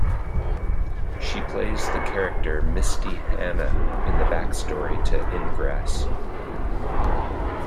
She plays the character Misty Hannah in the backstory to "Ingress".